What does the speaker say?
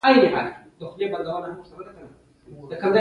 د محمود پته ولگېده، ملک صاحب وایي چې په کابل کې اوسېږي.